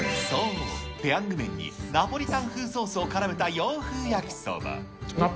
そう、ペヤング麺にナポリタン風ソースをからめた洋風やきそば。